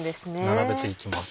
並べていきます。